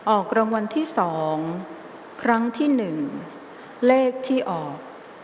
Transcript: ออกรางวัลที่๒ครั้งที่๑เลขที่ออก